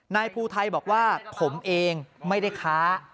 นายภูไทยบอกว่าผมเองไม่ได้ค้า